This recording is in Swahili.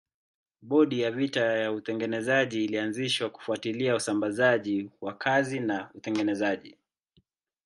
Bodi ya vita ya utengenezaji ilianzishwa kufuatilia usambazaji wa kazi na utengenezaji.